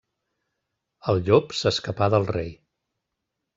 El llop s'escapà del rei.